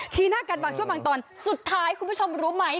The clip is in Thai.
หน้ากันบางช่วงบางตอนสุดท้ายคุณผู้ชมรู้ไหม